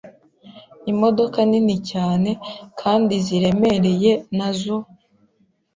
Imodoka nini cyane kandi ziremereye na zo,